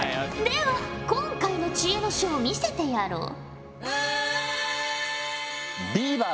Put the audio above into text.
では今回の知恵の書を見せてやろう。